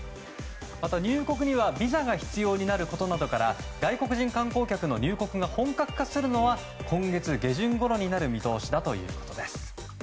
また入国にはビザが必要になることから外国人観光客の入国が本格化するのは今月下旬ごろになる見通しだということです。